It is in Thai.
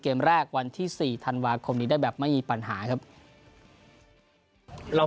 เกมแรกวันที่๔ธันวาคมนี้ได้แบบไม่มีปัญหาครับเรา